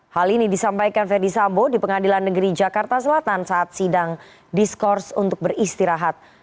hal ini disampaikan verdi sambo di pengadilan negeri jakarta selatan saat sidang diskors untuk beristirahat